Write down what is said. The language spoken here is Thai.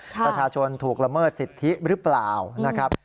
ประชาชนถูกละเมิดสิทธิหรือเปล่านะครับ